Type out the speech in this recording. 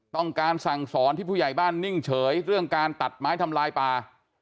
ต้องการสั่งสอนที่ผู้ใหญ่บ้านนิ่งเฉยเรื่องการตัดไม้ทำลายป่า